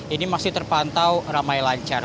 ini masih terpantau ramai lancar